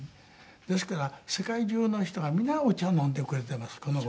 ですから世界中の人が皆お茶を飲んでくれていますこの頃。